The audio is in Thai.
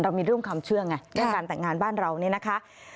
มีเรื่องความเชื่อไงเรื่องการแต่งงานบ้านเราเนี่ยนะคะ